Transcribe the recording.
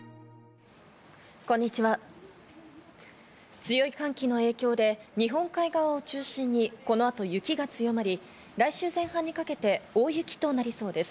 強い寒気の影響で日本海側を中心に、このあと雪が強まり、来週前半にかけて大雪となりそうです。